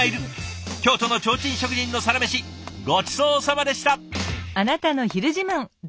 京都の提灯職人のサラメシごちそうさまでした。